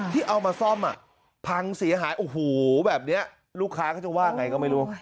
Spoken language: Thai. ที่เอามาซ่อมพังเสียหายโอ้โหแบบนี้ลูกค้าเขาจะว่าไงก็ไม่รู้